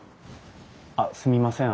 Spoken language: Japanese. あっすみません。